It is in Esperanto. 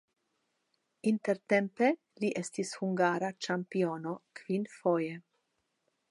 Intertempe li estis hungara ĉampiono kvinfoje.